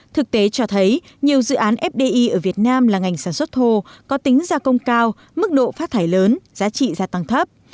thực tế cho thấy nhiều dự án fdi ở việt nam là ngành sản xuất thô có tính gia công cao mức độ phát thải lớn giá trị gia tăng thấp